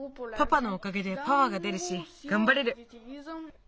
パパのおかげでパワーが出るしがんばれる。